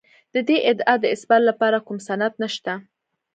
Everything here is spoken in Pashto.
د دې ادعا د اثبات لپاره کوم سند نشته